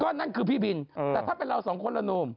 นั่นคือพี่บินแต่ถ้าเป็นเราสองคนละหนุ่ม